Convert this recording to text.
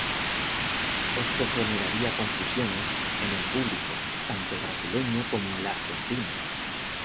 Esto generaría confusiones en el público tanto brasileño como el argentino.